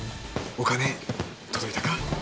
お金届いたか。